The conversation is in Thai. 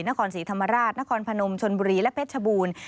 นครศรีธรรมราชนครพนมชนบุรีและเพชรชบูรณ์